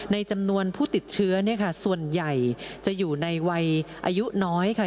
จำนวนผู้ติดเชื้อส่วนใหญ่จะอยู่ในวัยอายุน้อยค่ะ